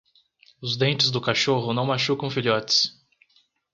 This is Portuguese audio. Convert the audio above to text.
Os dentes do cachorro não machucam filhotes.